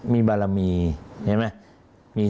มีบารมี